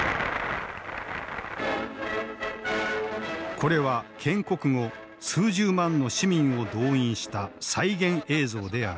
これは建国後数十万の市民を動員した再現映像である。